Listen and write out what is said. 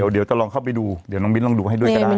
เดี๋ยวจะลองเข้าไปดูเดี๋ยวน้องมิ้นลองดูให้ด้วยก็ได้